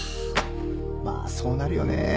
まあそうなるよねぇ。